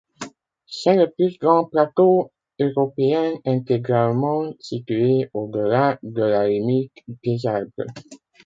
C'est le plus grand plateau européen intégralement situé au-delà de la limite des arbres.